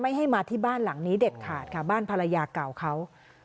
ให้มาที่บ้านหลังนี้เด็ดขาดค่ะบ้านภรรยาเก่าเขา